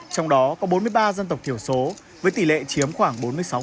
trong đó có bốn mươi ba dân tộc thiểu số với tỷ lệ chiếm khoảng bốn mươi sáu